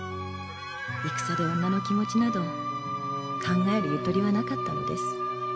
戦で女の気持ちなど考えるゆとりはなかったのです。